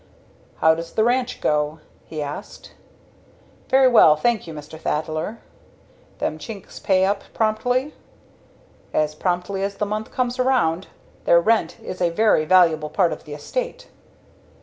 "How does the ranch go?" he asked. "Very well, thank you, Mr. Thaddler." "Them Chinks pay up promptly?" "As prompt as the month comes round. Their rent is a very valuable part of the estate."